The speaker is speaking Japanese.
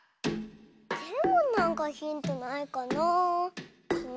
でもなんかヒントないかなあ。